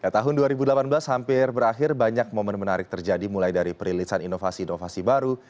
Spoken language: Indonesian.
tahun dua ribu delapan belas hampir berakhir banyak momen menarik terjadi mulai dari perilisan inovasi inovasi baru